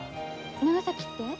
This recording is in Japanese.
長崎って？